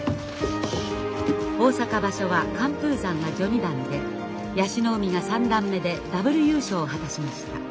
大阪場所は寒風山が序二段で椰子の海が三段目でダブル優勝を果たしました。